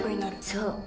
そう。